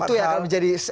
dan itu yang akan menjadi